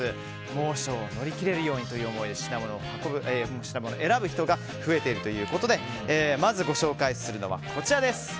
猛暑を乗り切れるというようにと品物を選ぶ人が増えているということでまずご紹介するのはこちら。